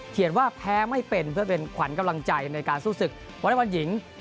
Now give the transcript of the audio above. เขียนว่าแพ้ไม่เป็นเพื่อเป็นขวัญกำลังใจในการสู้สึกวันให้วันหญิง